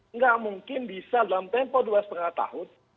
enggak mungkin bisa dalam tempoh dua lima tahun